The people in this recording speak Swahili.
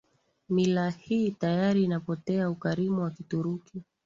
mila hii tayari inapotea Ukarimu wa Kituruki